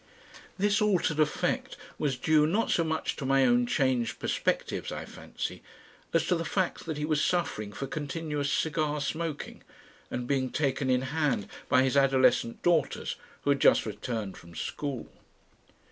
This altered effect was due not so much to my own changed perspectives, I fancy, as to the facts that he was suffering for continuous cigar smoking, and being taken in hand by his adolescent daughters who had just returned from school.